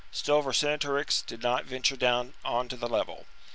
Still Vercingetorix did not venture down on to the level.